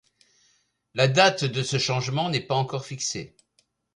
La date de ce changement n'est pas encore fixée.